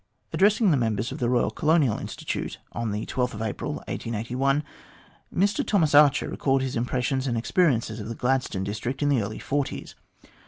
Addressing the members of the Royal Colonial Institute on April 12, 1881, Mr Thomas Archer recalled his impressions and experiences of the Gladstone district in the early forties.